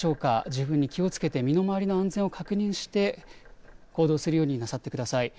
十分に気をつけて身の回りの安全を確認して行動するようになさってください。